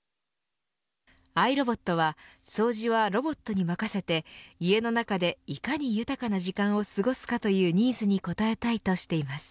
アイロボットは掃除はロボットに任せて家の中でいかに豊かな時間を過ごすかというニーズに応えたいとしています。